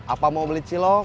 apa mau beli cilok